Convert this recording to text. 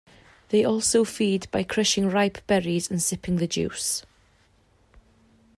They also feed by crushing ripe berries and sipping the juice.